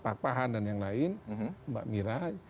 pak mokhtar pak pahan dan yang lain mbak mira